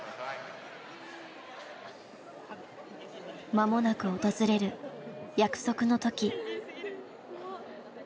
間もなく訪れる約束の時。